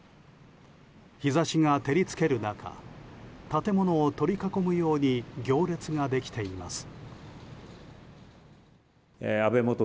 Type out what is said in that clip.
日差しが照り付ける中建物を取り囲むように行列ができています。